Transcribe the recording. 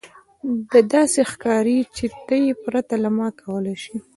دا داسې ښکاري چې ته یې پرته له ما کولی شې